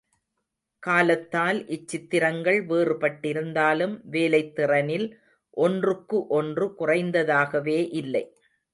காலத்தால் இச்சித்திரங்கள் வேறுபட்டிருந்தாலும் வேலைத் திறனில் ஒன்றுக்கு ஒன்று குறைந்ததாகவே இல்லை.